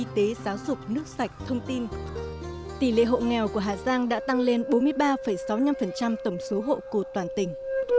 tỷ lệ hộ nghèo của hà giang đã tăng lên bốn mươi ba sáu mươi năm tổng số hộ của toàn tỉnh